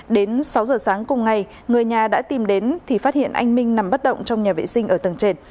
đến sáu giờ sáng cùng ngày người nhà đã tìm đến thì phát hiện anh minh nằm bất động trong nhà vệ sinh ở tầng trệt